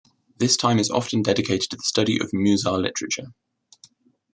This time is often dedicated to the study of Musar literature.